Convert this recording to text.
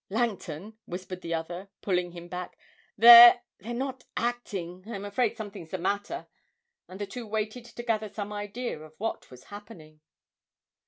'Langton,' whispered the other, pulling him back, 'they're they're not acting I'm afraid something's the matter!' and the two waited to gather some idea of what was happening.